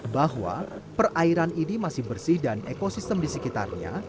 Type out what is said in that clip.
bahwa perairan ini masih bersih dan ekosistem di sekitarnya